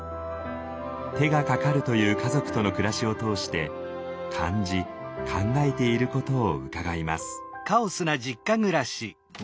手がかかるという家族との暮らしを通して感じ考えていることを伺います。